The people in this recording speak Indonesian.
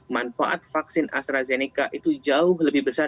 manfaat vaksin astrazeneca itu jauh lebih besar